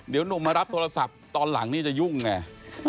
เดี๋ยวหนุ่มมารับโทรศัพท์ตอนหลังนี่จะยุ่งไง